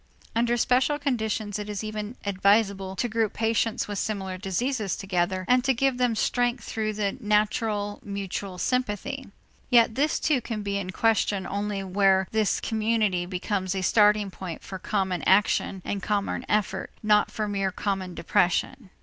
Under special conditions it is even advisable to group patients with similar diseases together and to give them strength through the natural mutual sympathy; yet this too can be in question only where this community becomes a starting point for common action and common effort, not for mere common depression.